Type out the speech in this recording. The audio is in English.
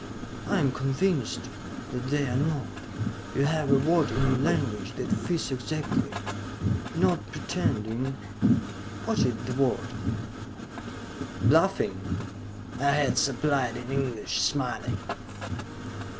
I am convinced that they are not you have a word in your language that fits exactly. Not pretending ... what is the word?" "Bluffing?" I had supplied in English, smiling.